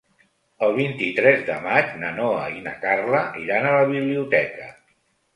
El vint-i-tres de maig na Noa i na Carla iran a la biblioteca.